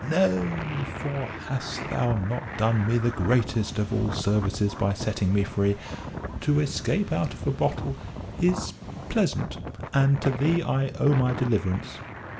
"Nay, for hast thou not done me the greatest of all services by setting me free? To escape out of a bottle is pleasant. And to thee I owe my deliverance."